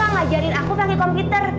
lagian kamu ngajarin aku pake komputer